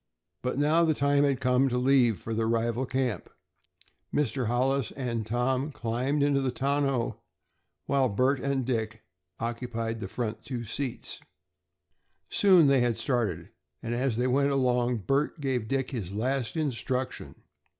But now the time had come to leave for the rival camp, and Mr. Hollis and Tom climbed into the tonneau, while Bert and Dick occupied the two front seats. Soon they had started, and as they went along Bert gave Dick his last instruction.